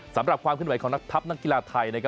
สำหรับความคุณไหวของทัพนักกีฬาไทย